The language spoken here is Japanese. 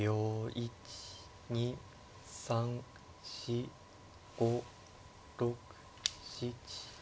１２３４５６７。